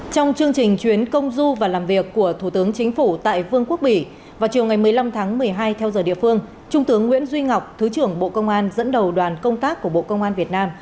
trong chương trình chuyến công du và làm việc của thủ tướng chính phủ tại vương quốc bỉ vào chiều ngày một mươi năm tháng một mươi hai theo giờ địa phương trung tướng nguyễn duy ngọc thứ trưởng bộ công an dẫn đầu đoàn công tác của bộ công an việt nam